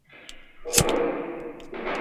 ভালো হলে ভালো আর মন্দ হলে মন্দ।